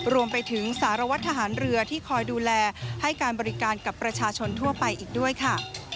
รวมไปถึงสารวัตรทหารเรือที่คอยดูแลให้การบริการกับประชาชนทั่วไปอีกด้วยค่ะ